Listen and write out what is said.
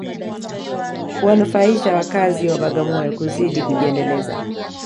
Huwanufaisha wakazi wa Bagamoyo kuzidi kujiendeleza